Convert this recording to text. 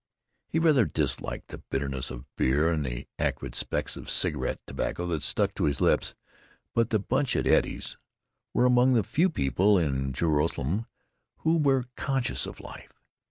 He rather disliked the bitterness of beer and the acrid specks of cigarette tobacco that stuck to his lips, but the "bunch at Eddie's" were among the few people in Joralemon who were conscious of life.